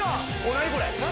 何これ？